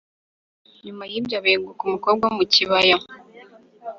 Nyuma y ibyo abenguka umukobwa wo mu kibaya.